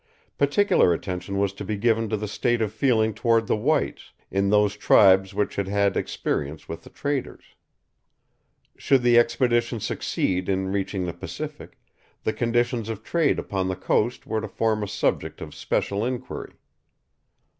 Particular attention was to be given to the state of feeling toward the whites, in those tribes which had had experience with the traders. Should the expedition succeed in reaching the Pacific, the conditions of trade upon the coast were to form a subject of special inquiry.